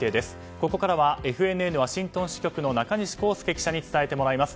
ここからはＦＮＮワシントン支局中西孝介記者に伝えてもらいます。